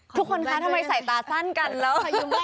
ทุกคนคะทำไมใส่ตาสั้นกันแล้ว